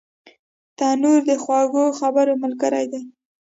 تنور د خوږو خبرو ملګری دی